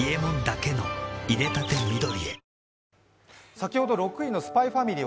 先ほど６位の「ＳＰＹ×ＦＡＭＩＬＹ」